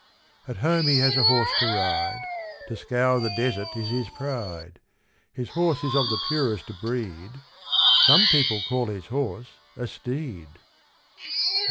At home he has a horse to ride; To "scour the desert" is his pride. His horse is of the purest breed; Some people call his horse a steed.